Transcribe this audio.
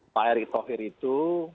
pak erik thohir itu